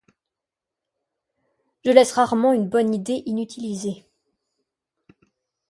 Je laisse rarement une bonne idée inutilisée.